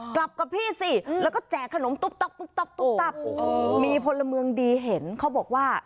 กลับกับพี่สิแล้วก็แจกขนมตุ๊บต๊อบมีพลเมืองดีเห็นเขาบอกว่า